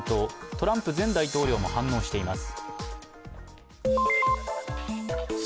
トランプ前大統領も反応しています。